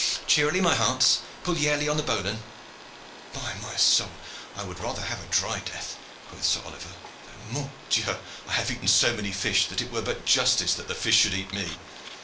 Cheerily, my hearts! Pull yarely on the bowline!" "By my soul! I would rather have a dry death," quoth Sir Oliver. "Though, Mort Dieu! I have eaten so many fish that it were but justice that the fish should eat me.